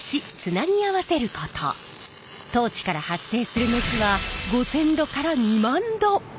トーチから発生する熱は５，０００℃から２万℃！